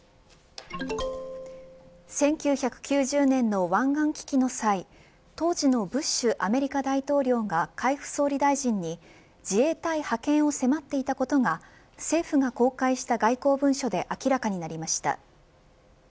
１９９０年の湾岸危機の際当時のブッシュアメリカ大統領が海部総理大臣に自衛隊派遣を迫っていたことが政府が公開した外交文書で明らかになりました。